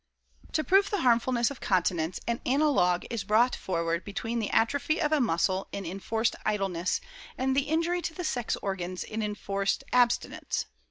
To prove the harmfulness of continence an analogue is brought forward between the atrophy of a muscle in enforced idleness and the injury to the sex organs in enforced abstinence.